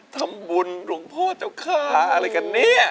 ทำบุญหลวงพ่อเจ้าค่าอะไรกันเนี่ย